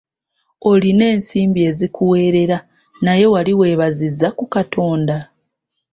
Olina ensimbi ezikuweerera naye wali weebazizza ku Katonda?